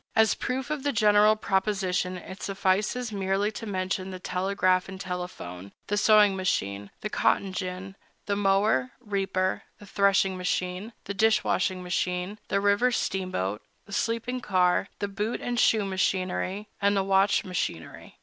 As proof of the general proposition, it suffices merely to mention the telegraph and telephone, the sewing machine, the cotton gin, the mower, reaper, and threshing machine, the dish washing machine, the river steamboat, the sleeping car, the boot and shoe machinery, and the watch machinery.